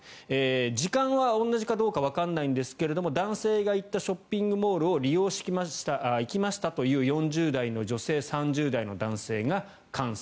時間は同じかどうかわかんないんですけれども男性が行ったショッピングモールを利用した、行ったという４０代の女性、３０代の男性が感染。